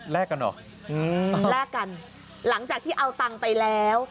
กันเหรอแลกกันหลังจากที่เอาตังค์ไปแล้ว